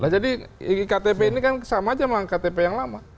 jadi ktp ini kan sama aja sama ktp yang lama